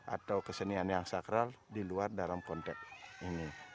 atau kesenian yang sakral di luar dalam konteks ini